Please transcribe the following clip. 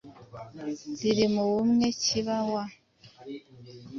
riri mu bumwe kiba wa,